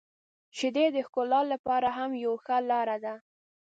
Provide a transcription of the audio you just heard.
• شیدې د ښکلا لپاره هم یو ښه لاره ده.